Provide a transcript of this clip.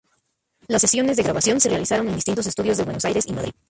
Las sesiones de grabación se realizaron en distintos estudios de Buenos Aires y Madrid.